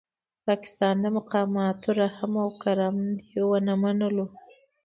د پاکستان د مقاماتو رحم او کرم دې ونه منلو.